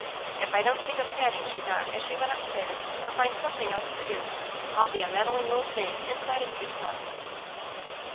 "If I don't take up tatting," she thought, as she went upstairs, "or find something else to do, I'll be a meddling old maid inside of six months."